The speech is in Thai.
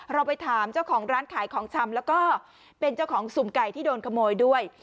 เราไปถามเจ้าของร้านขายของชำแล้วก็เป็นเจ้าของสุ่มไก่ที่โดนขโมยด้วย